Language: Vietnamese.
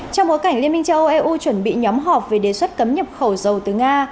trong bối cảnh liên minh châu âu eu chuẩn bị nhóm họp về đề xuất cấm nhập khẩu dầu từ nga